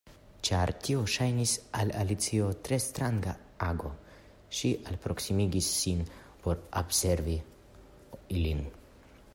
Ĉar tio ŝajnis al Alicio tre stranga ago, ŝi alproksimigis sin por observi ilin.